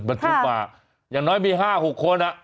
บรรทุกมาอย่างน้อยมี๕๖คน